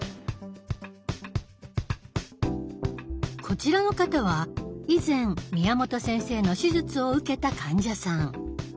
こちらの方は以前宮本先生の手術を受けた患者さん。